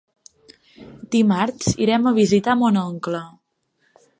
Dimarts irem a visitar mon oncle.